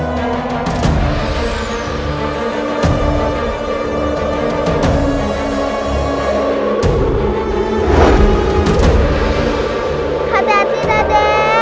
kepada kita deh